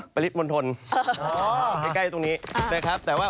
ปริศน์มนทรใกล้ตรงนี้แต่ว่า